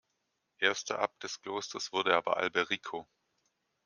Erster Abt des Klosters wurde aber Alberico.